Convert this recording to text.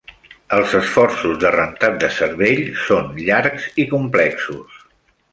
Els esforços de rentat de cervell són llargs i complexos.